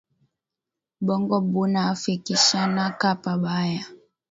Bongo buna fikishanaka pa baya